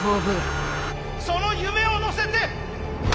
その夢を乗せて。